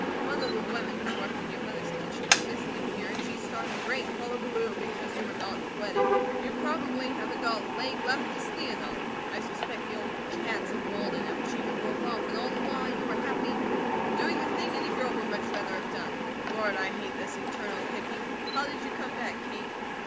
"One of the women who worked in your mother's kitchen is visiting here, and she started a great hullabaloo because you were not at the wedding. You probably haven't got a leg left to stand on. I suspect the old cats of Walden have chewed them both off, and all the while you were happy, and doing the thing any girl would much rather have done. Lord, I hate this eternal picking! How did you come back, Kate?"